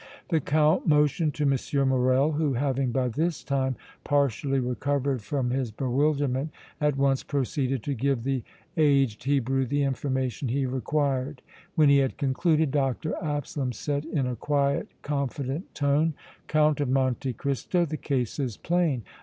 The Count motioned to M. Morrel, who, having by this time partially recovered from his bewilderment, at once proceeded to give the aged Hebrew the information he required. When he had concluded Dr. Absalom said, in a quiet, confident tone: "Count of Monte Cristo, the case is plain.